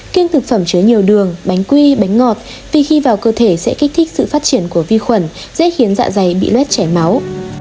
kiên thực phẩm chứa nhiều đường bánh quy bánh ngọt vì khi vào cơ thể sẽ kích thích sự phát triển của vi khuẩn dễ khiến dạ dày bị lét chảy máu